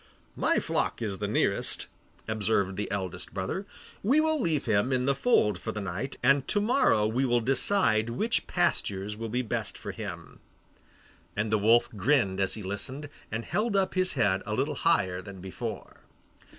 'My flock is the nearest,' observed the eldest brother; 'we will leave him in the fold for the night, and to morrow we will decide which pastures will be best for him.' And the wolf grinned as he listened, and held up his head a little higher than before.